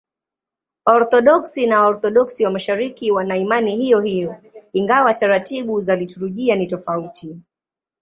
Waorthodoksi na Waorthodoksi wa Mashariki wana imani hiyohiyo, ingawa taratibu za liturujia ni tofauti.